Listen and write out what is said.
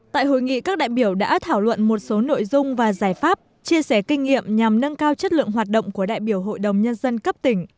tại hội nghị các đại biểu đã thảo luận một số nội dung và giải pháp chia sẻ kinh nghiệm nhằm nâng cao chất lượng hoạt động của đại biểu hội đồng nhân dân cấp tỉnh